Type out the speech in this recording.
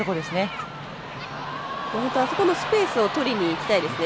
あそこのスペースをとりにいきたいですね